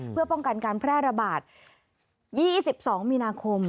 เพื่อป้องกันการแพร่ระบาด๒๒มีนาคม